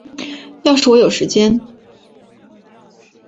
要是我有时间